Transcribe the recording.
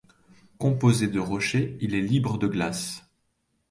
Composé de rochers, il est libre de glace.